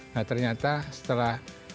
nah ternyata setelah